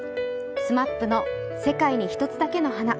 ＳＭＡＰの「世界に一つだけの花」。